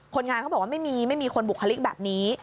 คนงานเขาบอกว่าไม่มีไม่มีคนบุคลิกแบบนี้